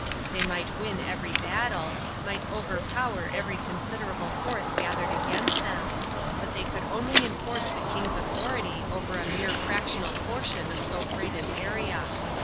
They might win every battle, might overpower every considerable force gathered against them, but they could only enforce the king's authority over a mere fractional portion of so great an area.